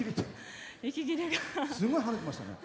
すごい跳ねてましたね。